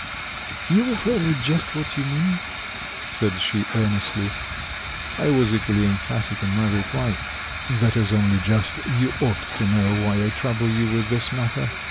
"You will tell me just what you mean?" said she earnestly. I was equally emphatic in my reply. "That is only just. You ought to know why I trouble you with this matter.